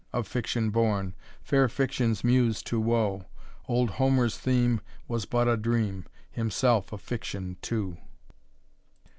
Of fiction born, Fair fiction's muse to woe; Old Homer's theme Was but a dream, Himself a fiction too.